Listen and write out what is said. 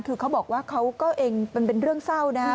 คือเขาบอกว่าเขาก็เองมันเป็นเรื่องเศร้านะครับ